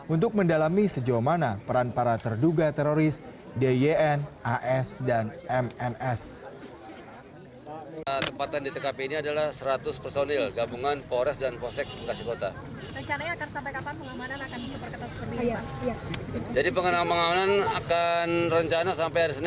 untuk mendalami sejauh mana peran para terduga teroris dyn as dan mms